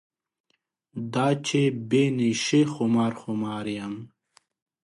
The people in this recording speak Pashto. دا چې بې نشې خمار خمار یم.